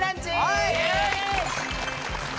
はい！